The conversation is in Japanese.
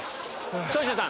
長州さん